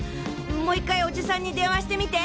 もう１回おじさんに電話してみて！